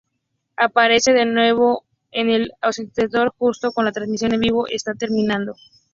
Aparece de nuevo en el ascensor, justo como la transmisión en vivo está terminando.